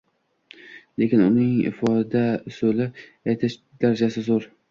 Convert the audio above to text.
Lekin uning ifoda usuli, aytish darajasi zoʻr